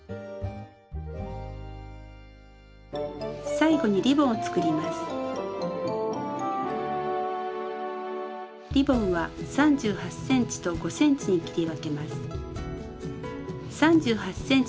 最後にリボンは３８ｃｍと５ｃｍに切り分けます。